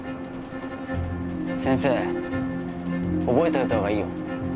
先生覚えといた方がいいよ。